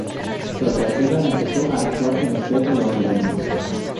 Tras la guerra, empezó a actuar en el teatro londinense.